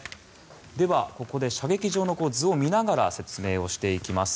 ではここで射撃場の図を見ながら説明していきます。